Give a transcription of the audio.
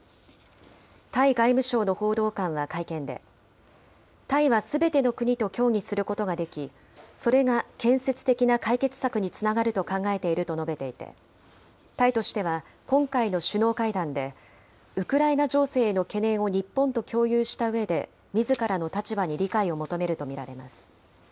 タイ外務省の報道官は会見で、タイはすべての国と協議することができ、それが建設的な解決策につながると考えていると述べていて、タイとしては今回の首脳会談で、ウクライナ情勢への懸念を日本と共有したうえで、みずからの立場に理解を求めると見られます。